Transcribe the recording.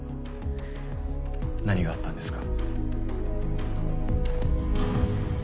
何があったんですか？